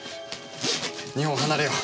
日本を離れよう。